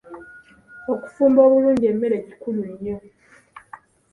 Okufumba obulungi emmere kikulu nnyo.